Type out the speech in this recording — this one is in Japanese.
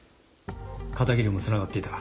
片桐もつながっていた。